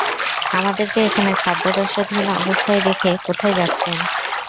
আমাদেরকে এখানে খাদ্য-রসদহীন অবস্থায় রেখে কোথায় যাচ্ছেন?